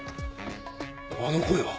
あの声は。